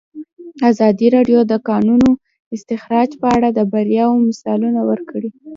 ازادي راډیو د د کانونو استخراج په اړه د بریاوو مثالونه ورکړي.